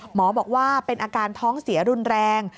หมอบอกว่าเป็นอาการท้องเสียรุนแรง